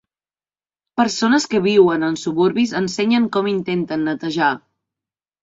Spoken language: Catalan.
Persones que viuen en suburbis ensenyen com intenten netejar.